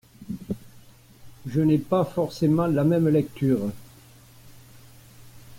Je n’ai pas forcément la même lecture.